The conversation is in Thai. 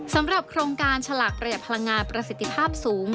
สำหรับโครงการฉลากประหยัดพลังงานประสิทธิภาพสูง